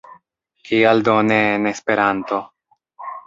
Kial do ne en Esperanto?